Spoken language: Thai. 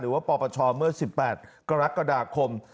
หรือว่าปปชเมื่อ๑๘กรกฎาคม